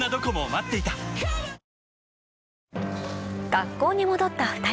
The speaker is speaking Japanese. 学校に戻った２人